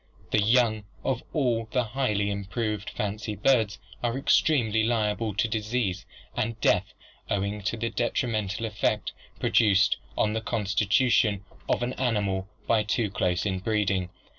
The young of all of the highly improved fancy birds are extremely liable to disease and death owing to the detrimental effect produced on the constitution of an animal by too close inbreeding.